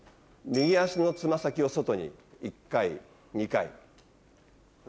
右足の爪先を外に１回２回。